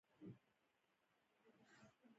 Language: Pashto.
عاجزي صرف يوه تګلاره ده.